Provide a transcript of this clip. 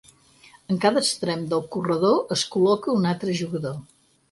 En cada extrem del corredor es col·loca un altre jugador.